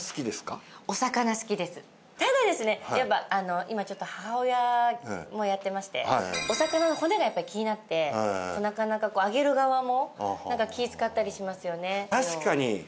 ただですねやっぱ今ちょっと母親もやってましてお魚の骨がやっぱり気になってなかなかあげる側も気使ったりしますよね。